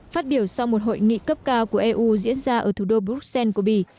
phát biểu sau một hội nghị cấp cao của eu diễn ra ở thủ đô bruxelles của bỉ